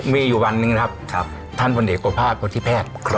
มีอยู่วันหนึ่งครับท่านพ่อเดชโกภาสพ่อทิแภก